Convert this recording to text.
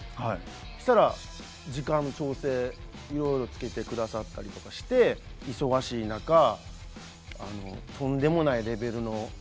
したら時間調整色々つけてくださったりして忙しい中とんでもないレベルのものに。